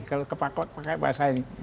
kalau kepakot pakai bahasa ini